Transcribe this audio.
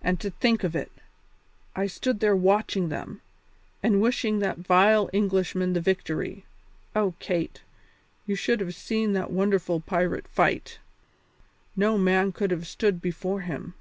And to think of it! I stood there watching them, and wishing that vile Englishman the victory. Oh, Kate! you should have seen that wonderful pirate fight. No man could have stood before him."